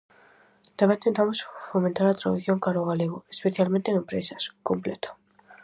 "Tamén tentamos fomentar a tradución cara ao galego, especialmente en empresas", completa.